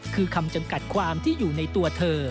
คือคำจำกัดความที่อยู่ในตัวเธอ